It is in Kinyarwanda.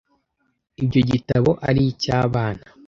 Ibyo gitabo ari icy'abana.